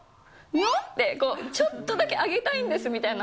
って、ちょっとだけ上げたいんですって。